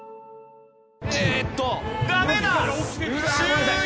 えーっと。